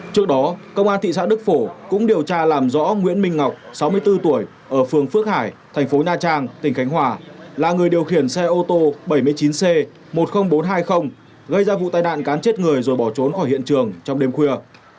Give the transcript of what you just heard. trước đó công an thị xã đức phổ cũng điều tra làm rõ nguyễn minh ngọc sáu mươi bốn tuổi ở phường phước hải thành phố na trang tỉnh khánh hòa là người điều khiển xe ô tô bảy mươi chín c một mươi nghìn bốn trăm hai mươi gây ra vụ tai nạn cán chết người rồi bỏ trốn khỏi hiện trường trong đêm khuya